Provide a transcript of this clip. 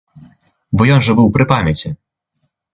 Бо ён жа быў пры памяці.